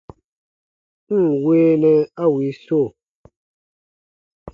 N ǹ weenɛ a wii so !